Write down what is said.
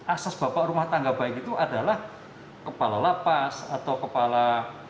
asas bapak rumah tangga baik itu adalah kepala lapas atau kepala